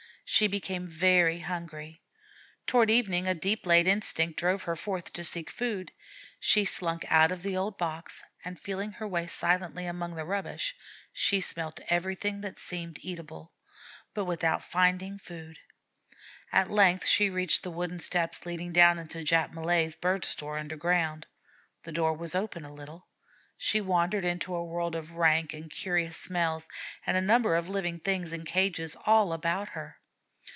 She became very hungry. Toward evening a deep laid instinct drove her forth to seek food. She slunk out of the old box, and feeling her way silently among the rubbish, she smelt everything that seemed eatable, but without finding food. At length she reached the wooden steps leading down into Jap Malee's bird store underground. The door was open a little. She wandered into a world of rank and curious smells and a number of living things in cages all about her.